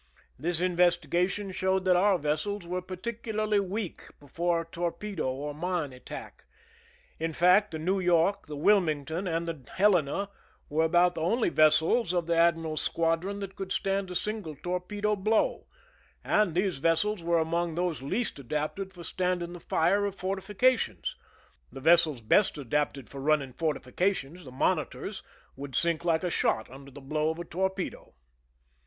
This in vestigation showed that our vessels were particu larly weak before torpedo or mine attack. In fact, the New York^ the Wilmington, and the Helena were about the only vessels of the admiral's squadron that could stand a single torpedo blow, and these vessels were among those least adapted for stand ing the fire of fortifications. The vessels best adapted for running fortifications, the monitors, would sink like a shot under the blow of a torpedo.